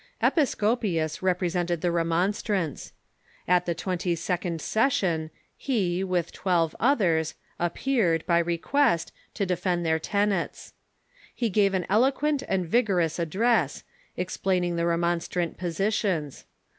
Episcopius represented the Remonstrants. At the twenty sec ond session he, with twelve others, appeared, by request, to defend their tenets. He gave an eloquent and vigorous ad dress, explaining the Remonstrant positions.